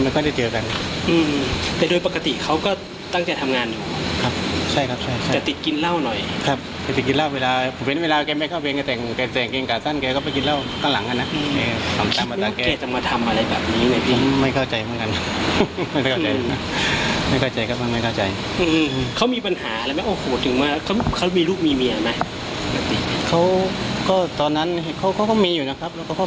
ไม่ได้ไม่ได้ไปแหลงรองพักนี่ครับบันเกิดเหตุเขาได้คุยอะไรกับค่ะ